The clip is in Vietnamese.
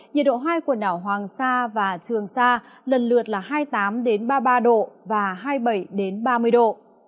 nhiệt độ hai quần đảo hoàng sa và trường sa lần lượt là hai mươi tám ba mươi ba độ và hai mươi bảy ba mươi độ